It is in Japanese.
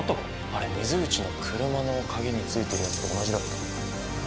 あれ水口の車の鍵についてるやつと同じだった。